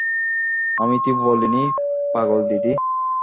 আমি তো বলিনি পাগলদিদি।